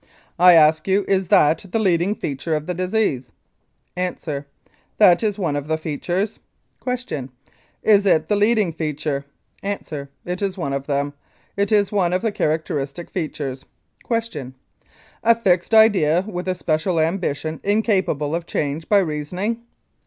I ask you is that the leading feature of the disease? A. That is one of the features. Q. Is it the leading feature? A. It is one of them. It is one of the characteristic features. Q. A fixed idea with a special ambition incapable of change by reasoning?